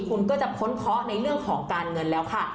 คุณก็จะพ้นเคาะในเรื่องของการเงินแล้วค่ะ